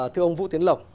thưa ông vũ tiến lộc